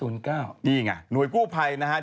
นี่ไงหน่วยกู้ภัยนะฮะ